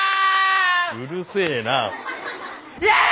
うるせえなぁ。